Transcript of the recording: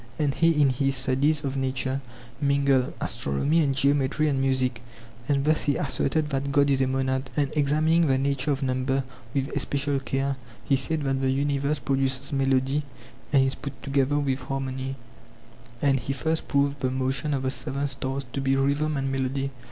And he in his studies of nature mingled astronomy and geometry and musie <and arithmetic>. And thus he asserted that god is a monad, and examining the nature of number with especial care, he said that the universe produces melody and is put together with harmony, and he first proved the motion of the seven stars to be rhythm and melody.